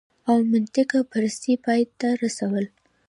او منطقه پرستۍ پای ته رسول